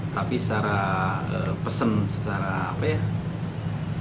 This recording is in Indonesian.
tapi secara pesen secara apa ya